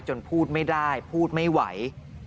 พูดไม่ได้พูดไม่ไหว